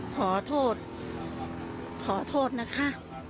ขอโทษขอโทษนะคะ